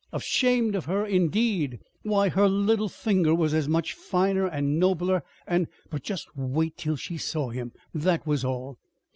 Ashamed of her, indeed! Why, her little finger was as much finer and nobler and But just wait till she saw him, that was all!